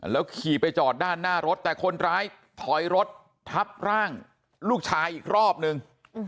ขี่ไปจอดด้านหน้ารถแต่คนร้ายถอยรถทับร่างลูกชายอีกรอบนึง